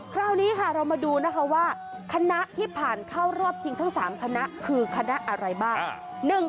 คราวนี้ค่ะเรามาดูนะคะว่าคณะที่ผ่านเข้ารอบชิงทั้ง๓คณะคือคณะอะไรบ้าง